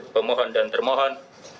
pemohon dan termohon